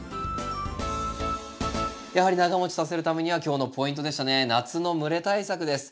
やはり長もちさせるためには今日のポイントでしたね夏の蒸れ対策です。